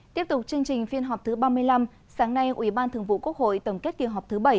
tiếp tục chương trình phiên họp thứ ba mươi năm sáng nay ủy ban thường vụ quốc hội tổng kết kỳ họp thứ bảy